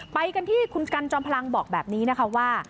ไปกันที่คุณกันจอมพลังบอกแบบนี้นะคะว่า